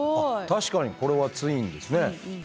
確かにこれはツインですね。